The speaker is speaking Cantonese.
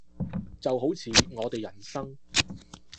就好似我哋人生